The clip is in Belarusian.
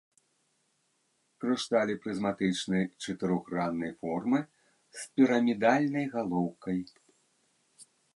Крышталі прызматычнай чатырохграннай формы з пірамідальнай галоўкай.